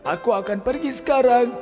aku akan pergi sekarang